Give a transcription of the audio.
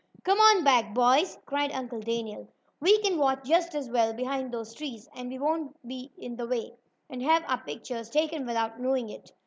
"Come on back, boys!" cried Uncle Daniel, "We can watch just as well behind those trees, and we won't be in the way, and have our pictures taken without knowing it."